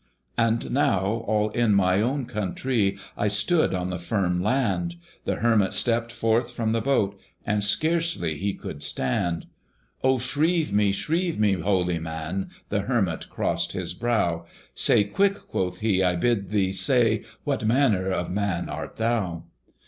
And now, all in my own countree, I stood on the firm land! The Hermit stepped forth from the boat, And scarcely he could stand. "O shrieve me, shrieve me, holy man!" The Hermit crossed his brow. "Say quick," quoth he, "I bid thee say What manner of man art thou?"